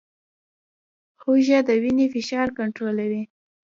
هوږه د وینې فشار کنټرولوي